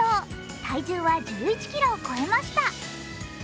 体重は１１ｋｇを超えました。